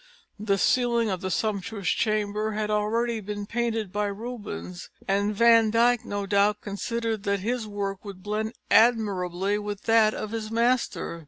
The ceiling of this sumptuous chamber had already been painted by Rubens, and Van Dyck no doubt considered that his work would blend admirably with that of his master.